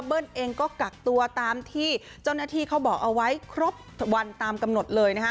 เองก็กักตัวตามที่เจ้าหน้าที่เขาบอกเอาไว้ครบวันตามกำหนดเลยนะฮะ